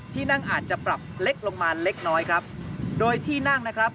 ที่นั่งอาจจะปรับเล็กลงมาเล็กน้อยครับโดยที่นั่งนะครับ